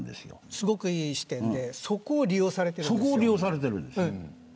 すごくいい視点でそこを利用されているんです。